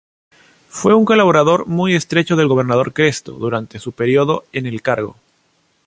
Fue un colaborador muy estrecho del gobernador Cresto durante su período en el cargo.